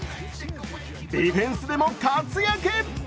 ディフェンスでも活躍。